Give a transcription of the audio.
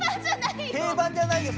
定番じゃないよ。